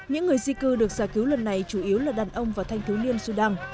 những người di cư được giả cứu lần này chủ yếu là đàn ông và thanh thú niên sudan